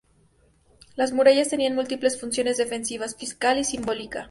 Las murallas tenían múltiples funciones: defensiva, fiscal y simbólica.